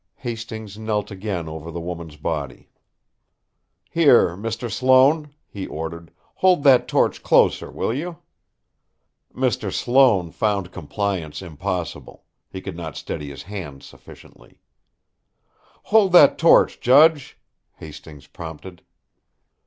Hastings knelt again over the woman's body. "Here, Mr. Sloane," he ordered, "hold that torch closer, will you?" Mr. Sloane found compliance impossible. He could not steady his hand sufficiently. "Hold that torch, judge," Hastings prompted.